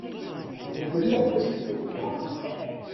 Nekk mačči d aqeddac-nkent!